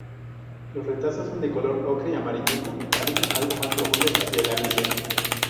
Los retazos son de color ocre-amarillento pálido, algo más profundos hacia el ápice.